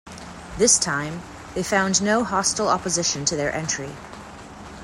This time, they found no hostile opposition to their entry.